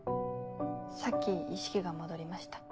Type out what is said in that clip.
さっき意識が戻りました。